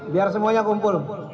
biar semuanya kumpul